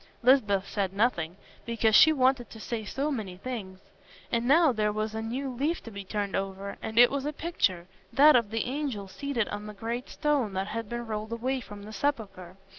Lisbeth said nothing, because she wanted to say so many things. And now there was a new leaf to be turned over, and it was a picture—that of the angel seated on the great stone that has been rolled away from the sepulchre.